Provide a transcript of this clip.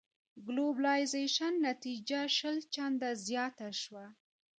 ګلوبلایزېشن نتيجه شل چنده زياته شوه.